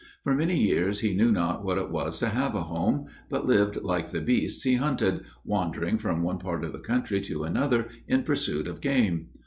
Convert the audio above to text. For many years he knew not what it was to have a home, but lived like the beasts he hunted wandering from one part of the country to another, in pursuit of game.